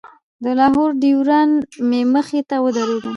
د لاهور ډریوران مې مخې ته ودرېدل.